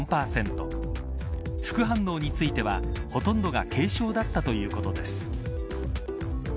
副反応については、ほとんどが軽症だったということです。